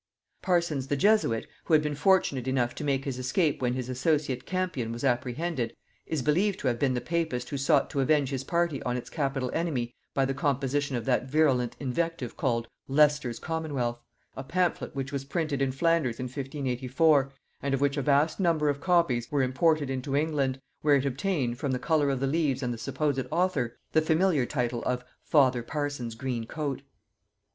Parsons the Jesuit, who had been fortunate enough to make his escape when his associate Campion was apprehended, is believed to have been the papist who sought to avenge his party on its capital enemy by the composition of that virulent invective called "Leicester's Commonwealth:" a pamphlet which was printed in Flanders in 1584, and of which a vast number of copies were imported into England, where it obtained, from the color of the leaves and the supposed author, the familiar title of "Father Parsons' Green coat."